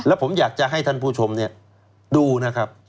แล้วผมอยากจะให้ท่านผู้ชมดูนะครับ